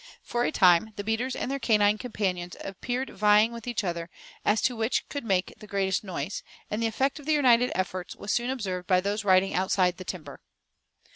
For a time the beaters and their canine companions appeared vying with each other, as to which could make the greatest noise; and the effect of their united efforts was soon observed by those riding outside the timber.